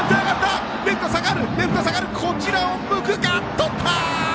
とった！